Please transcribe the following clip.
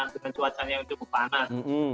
dengan cuacanya yang cukup panas